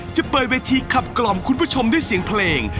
จะเปิดเวทีขับกล่อมคุณผู้ชมด้วยเสียงเพลง